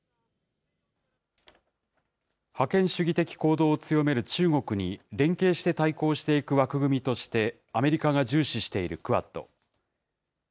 覇権主義的行動を強める中国に、連携して対抗していく枠組みとして、アメリカが重視しているクアッド。